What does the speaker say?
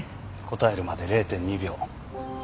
答えるまで０．２秒。